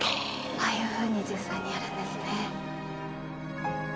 ああいうふうに実際にやるんですね。